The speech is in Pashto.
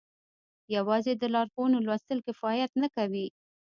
يوازې د لارښوونو لوستل کفايت نه کوي.